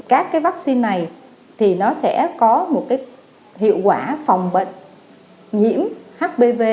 các cái vaccine này thì nó sẽ có một cái hiệu quả phòng bệnh nhiễm hpv